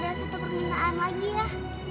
ada satu permintaan lagi ya